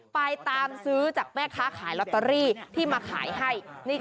ไปตามซื้อจากแม่ค้าขายลอตเตอรี่ที่มาขายให้